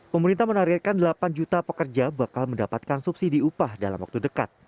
pemerintah menargetkan delapan juta pekerja bakal mendapatkan subsidi upah dalam waktu dekat